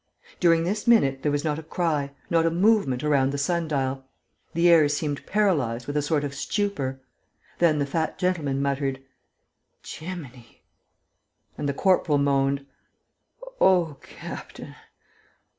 During this minute, there was not a cry, not a movement around the sun dial. The heirs seemed paralyzed with a sort of stupor. Then the fat gentleman muttered: "Geminy!" And the corporal moaned: "Oh, captain!...